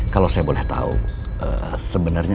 kalau saya boleh tahu sebenarnya